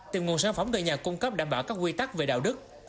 tìm nguồn sản phẩm từ nhà cung cấp đảm bảo các quy tắc về đạo đức